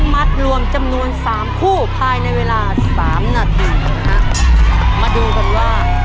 เอาใจช่วยกันนะครับ